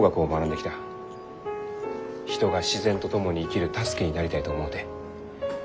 人が自然と共に生きる助けになりたいと思うて。